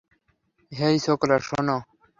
হেই ছোকরা, শোন।